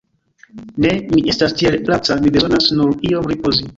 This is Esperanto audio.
Ne, mi estas tiel laca, mi bezonas nur iom ripozi.